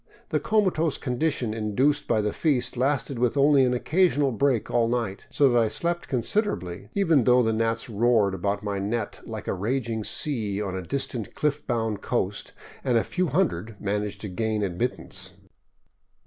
The comatose condition induced by the feast lasted with only an occasional break all night, so that I slept consider erably, even though the gnats roared about my net like a raging sea on a distant cliff bound coast, and a few hundred managed to gain admittance.